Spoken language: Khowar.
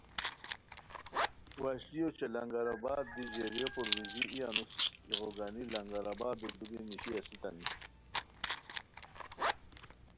وشلی اوچے لنگر آباد دی ژیریو پرویزی ای انوس ایغو گانی لنگرآبادو دُوری نیشی استانی